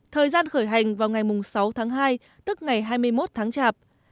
thời gian khởi hành vào ngày sáu tháng hai tức ngày hai mươi một tháng chạp